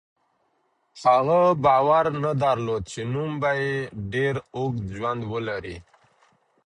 هغه باور نه درلود چې نوم به یې ډېر اوږد ژوند ولري.